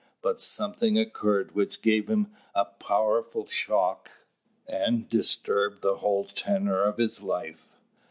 But something occurred which gave him a powerful shock, and disturbed the whole tenor of his life.